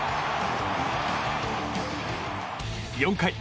４回。